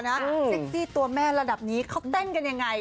เซ็กซี่ตัวแม่ระดับนี้เขาเต้นกันยังไง